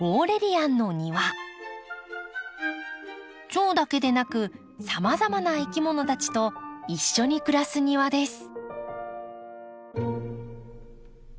チョウだけでなくさまざまないきものたちと一緒に暮らす庭です。